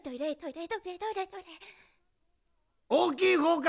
おおきいほうか？